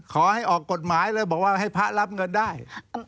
ขอให้ออกกฎหมายเลยบอกว่าให้พระรับเงินได้